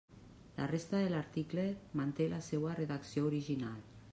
La resta de l'article manté la seua redacció original.